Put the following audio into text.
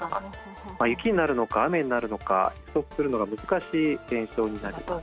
雪になるのか雨になるのか予測するのが難しい現象になります。